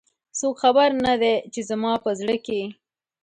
څوک خبر نه د ی، چې زما په زړه کې